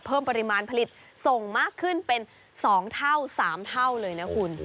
เพิ่มปริมาณผลิตส่งมากขึ้นเป็น๒เท่า๓เท่าเลยนะคุณ